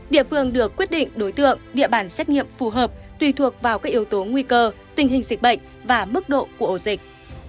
địa phương được quyết định đối tượng địa bản xét nghiệm phù hợp tùy thuộc vào các yếu tố nguy cơ tình hình dịch bệnh và mức độ của ổ dịch